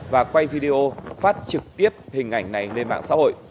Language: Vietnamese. và quay video phát trực tiếp hình ảnh này lên mạng xã hội